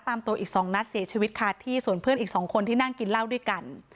ตามตัวอีกสองนัดเสียชีวิตคาที่ส่วนเพื่อนอีกสองคนที่นั่งกินเหล้าด้วยกัน